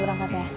terima kasih om